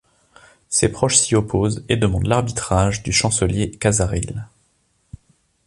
Ses proches s’y opposent et demandent l’arbitrage du chancelier Cazaril.